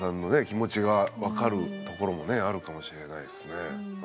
気持ちが分かるところもねあるかもしれないですねうん。